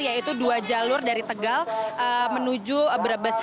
yaitu dua jalur dari tegal menuju brebes